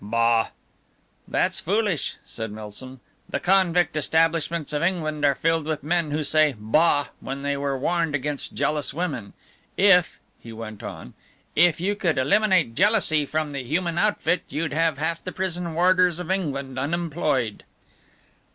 "Bah!" "That's foolish," said Milsom, "the convict establishments of England are filled with men who said 'Bah' when they were warned against jealous women. If," he went on, "if you could eliminate jealousy from the human outfit, you'd have half the prison warders of England unemployed."